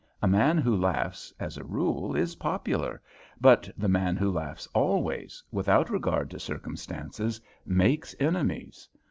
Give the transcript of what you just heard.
A man who laughs, as a rule, is popular, but the man who laughs always, without regard to circumstances, makes enemies.